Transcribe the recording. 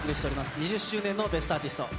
２０周年の『ベストアーティスト』。